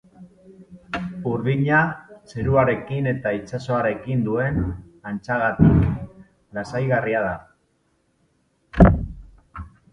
Urdina, zeruarekin eta itsasoarekin duen antzagatik, lasaigarria da.